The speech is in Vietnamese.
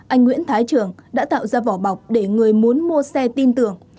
anh nguyễn thái trường đã tạo ra vỏ bọc để người muốn mua xe tin tưởng